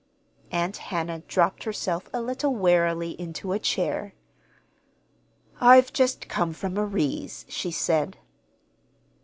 Aunt Hannah dropped herself a little wearily into a chair. "I've just come from Marie's," she said.